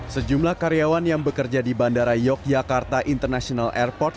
sejumlah karyawan yang bekerja di bandara yogyakarta international airport